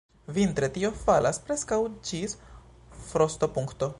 Vintre tio falas preskaŭ ĝis frostopunkto.